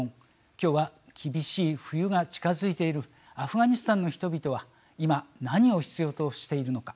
今日は、厳しい冬が近づいているアフガニスタンの人々は今、何を必要としているのか。